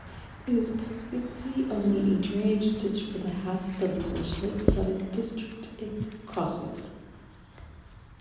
It is practically only a drainage ditch for the half-submerged, lake-flooded district it crosses.